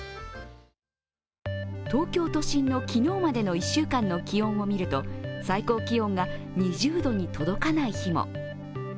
東京都心の昨日までの１週間の気温を見ると最高気温が２０度に届かない日も。